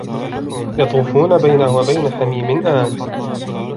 يَطُوفُونَ بَيْنَهَا وَبَيْنَ حَمِيمٍ آنٍ